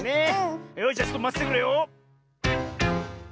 よしじゃちょっとまっててくれよ。